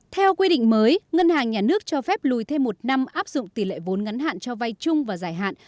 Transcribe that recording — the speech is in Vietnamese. theo quy định mới ngân hàng nhà nước cho phép lùi thêm một năm áp dụng tỷ lệ vốn ngắn hạn cho vay chung và giải hạn